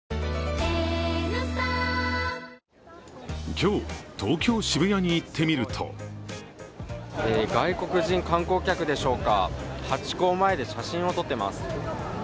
今日、東京・渋谷に行ってみると外国人観光客でしょうか、ハチ公前で写真を撮っています。